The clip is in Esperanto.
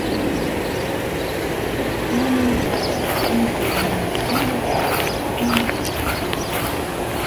Homoj kaŝis en duoninsulo kaj proksimaj insuloj.